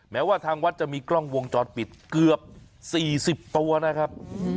แม้ว่าทางวัดจะมีกล้องวงจรปิดเกือบ๔๐ตัวนะครับ